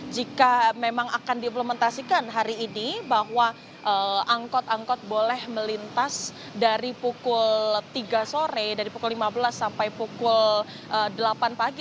jika memang akan diimplementasikan hari ini bahwa angkot angkot boleh melintas dari pukul tiga sore dari pukul lima belas sampai pukul delapan pagi